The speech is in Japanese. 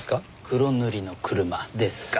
黒塗りの車ですか。